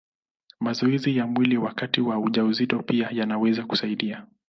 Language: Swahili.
Mazoezi ya mwili wakati wa ujauzito pia yanaweza kusaidia.